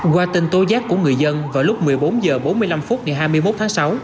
qua tin tố giác của người dân vào lúc một mươi bốn h bốn mươi năm phút ngày hai mươi một tháng sáu